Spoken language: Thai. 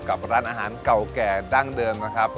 กับร้านอาหารเก่าแก่ดั้งเดิมนะครับ